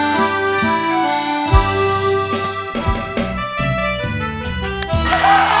มันน่า